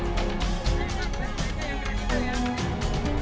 biji kel demasi bel